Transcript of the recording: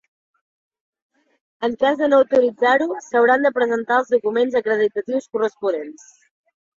En cas de no autoritzar-ho, s'hauran de presentar els documents acreditatius corresponents.